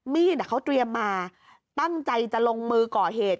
มีดเขาเตรียมมาตั้งใจจะลงมือก่อเหตุ